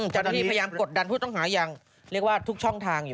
เจ้าหน้าที่พยายามกดดันผู้ต้องหาอย่างเรียกว่าทุกช่องทางอยู่